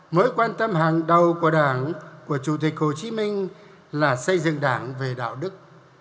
mới quan tâm hàng đầu của đảng của chủ tịch hồ chí minh là xây dựng đảng về đạo đức